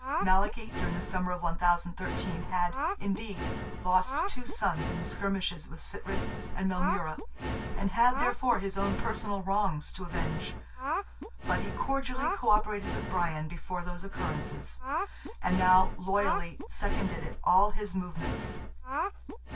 Malachy, during the summer of 1013, had, indeed, lost two sons in skirmishes with Sitrick and Maelmurra, and had, therefore, his own personal wrongs to avenge; but he cordially co operated with Brian before those occurrences, and now loyally seconded all his movements.